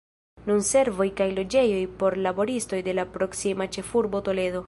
Nun servoj kaj loĝejoj por laboristoj de la proksima ĉefurbo Toledo.